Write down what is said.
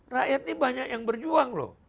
rakyat ini banyak yang berjuang loh